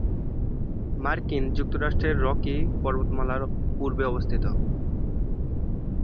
মার্কিন যুক্তরাষ্ট্রের রকি পর্বতমালার পূর্বে অবস্থিত।